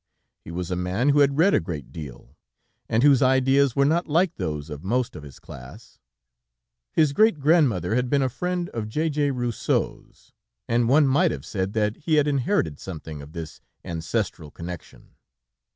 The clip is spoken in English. He was a man who had read a great deal, and whose ideas were not like those of most of his class. His great grandmother had been a friend of J.J. Rousseau's, and one might have said that he had inherited something of this ancestral connection.